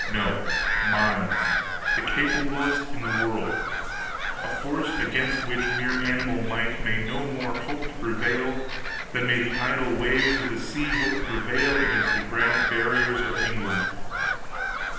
No, minds—the capablest in the world; a force against which mere animal might may no more hope to prevail than may the idle waves of the sea hope to prevail against the granite barriers of England.